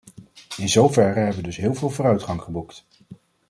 In zoverre hebben we dus heel veel vooruitgang geboekt.